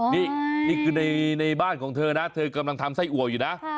นี่นี่คือในบ้านของเธอนะเธอกำลังทำไส้อัวอยู่นะ